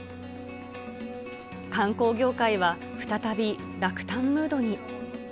観光業界は再び落胆ムードに。